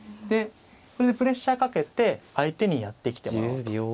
でこれでプレッシャーかけて相手にやってきてもらうと。